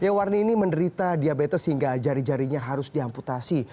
ya warni ini menderita diabetes hingga jari jarinya harus diamputasi